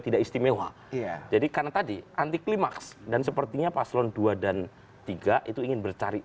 tidak istimewa ya jadi karena tadi anti klimaks dan sepertinya paslon dua dan tiga itu ingin bercari